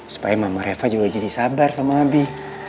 supaya mama reva juga jadi sabar sama nabi